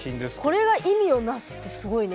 これが意味を成すってすごいね。